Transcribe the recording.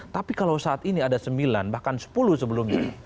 tapi kalau saat ini ada sembilan bahkan sepuluh sebelumnya